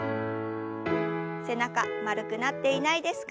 背中丸くなっていないですか？